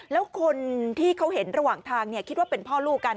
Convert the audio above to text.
แล้วคนที่เขาเห็นระหว่างทางคิดว่าเป็นพ่อลูกกัน